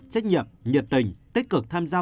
trách nhiệm nhiệt tình tích cực tham gia